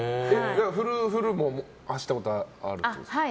フルも走ったことあるってことですか？